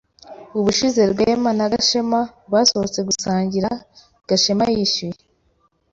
Ubushize Rwema na Gashema basohotse gusangira, Gashema yishyuye.